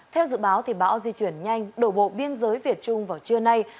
theo dự báo bão di chuyển nhanh đổ bộ biên giới việt trung vào trưa nay